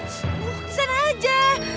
di sana aja